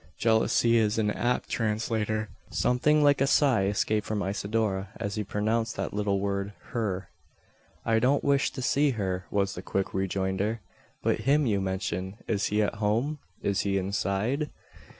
Jealousy is an apt translator. Something like a sigh escaped from Isidora, as he pronounced that little word "her." "I don't wish to see her," was the quick rejoinder; "but him you mention. Is he at home? Is he inside?"